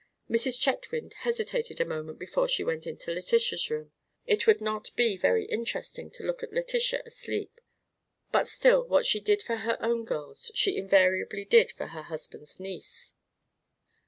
Mrs. Chetwynd hesitated a moment before she went into Letitia's room. It would not be very interesting to look at Letitia asleep; but still, what she did for her own girls she invariably did for her husband's niece.